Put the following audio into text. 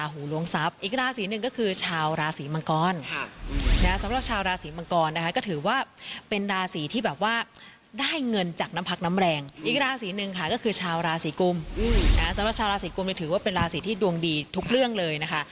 ไอราศีกรมจึงถือว่าเป็นราศีที่ดวงดีทุกเรื่องเลยนะคะ